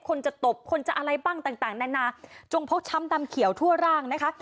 คนจะตบคนจะอะไรบ้างต่างนานาจงพกช้ำดำเขียวทั่วร่างนะคะ